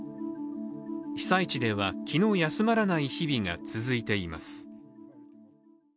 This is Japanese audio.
被災地では気の休まらない日々が続いています